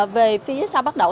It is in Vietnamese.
về phía sau bắt đầu